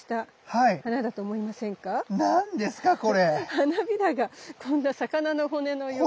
花びらがこんな魚の骨のような。